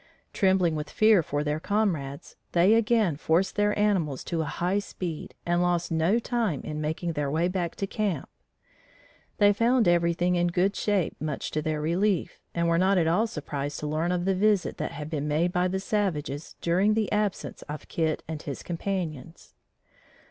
Trembling with fear for their comrades, they again forced their animals to a high speed and lost no time in making their way back to camp. They found everything in good shape, much to their relief, and were not at all surprised to learn of the visit that had been made by the savages during the absence of Kit and his companions.